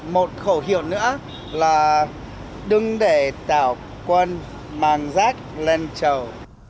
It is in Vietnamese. một khẩu hiệu nữa là đừng để tạo quân mang rác lên trầu